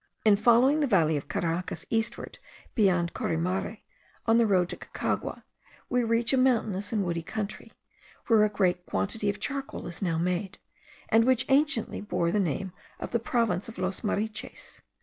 In following the valley of Caracas eastward beyond Caurimare, on the road to Caucagua, we reach a mountainous and woody country, where a great quantity of charcoal is now made, and which anciently bore the name of the Province of Los Mariches.